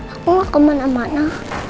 aku mau kemana mana